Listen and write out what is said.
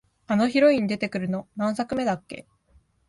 あのヒロイン出てくるの、何作目だっけ？